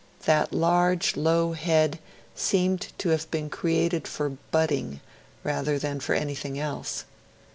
That large low head seemed to have been created for butting rather than for anything else.